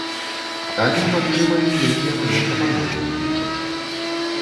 Але, магчыма, і нейкія мае прапановы ўключаць.